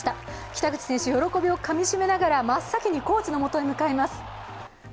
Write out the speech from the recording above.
北口選手、喜びをかみしめながら、真っ先にコーチのもとへ向かいます。